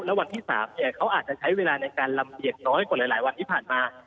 และวันที่๓เขาอาจจะใช้เวลาในการลำเลียงน้อยกว่าหลายวันที่ผ่านมา